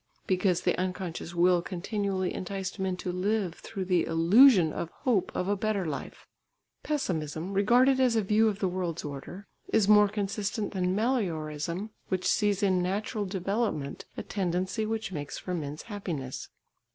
Because the unconscious Will continually enticed men to live through the illusion of hope of a better life. Pessimism, regarded as a view of the world's order, is more consistent than meliorism, which sees in natural development a tendency which makes for men's happiness.